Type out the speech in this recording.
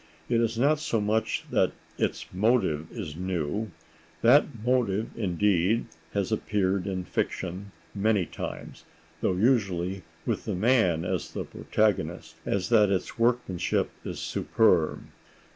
It is not so much that its motive is new—that motive, indeed, has appeared in fiction many times, though usually with the man as the protagonist—as that its workmanship is superb.